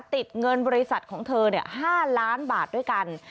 ติดเงินบริษัทของเธอ๕ล้านบาทด้วยกัน